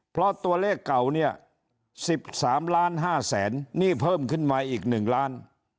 เพราะตัวเลขเก่าเนี่ย๑๓ล้าน๕แสนหนี้เพิ่มขึ้นมาอีก๑ล้าน